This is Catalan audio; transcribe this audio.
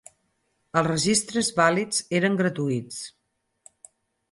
Els registres vàlids eren gratuïts.